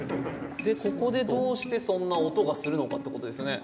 でここでどうしてそんな音がするのかってことですよね。